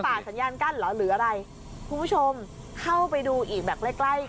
สัญญาณกั้นเหรอหรืออะไรคุณผู้ชมเข้าไปดูอีกแบบใกล้ใกล้